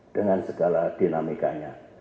dengan segala dinamikanya